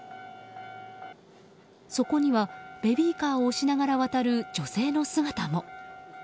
そこにはベビーカーを押しながら渡る女性の姿も。